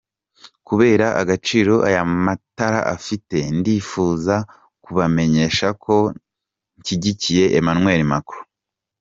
Kubera agaciro aya matora afite, ndifuza kubamenyesha ko nshyigikiye Emmanuel Macron.